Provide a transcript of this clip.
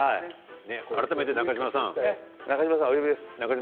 改めて中嶋さん